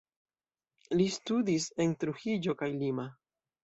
Li studis en Trujillo kaj Lima.